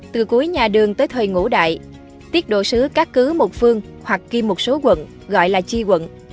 từ cuối nhà đường tới thời ngũ đại tiết độ sứ các cứ một phương hoặc ghi một số quận gọi là chi quận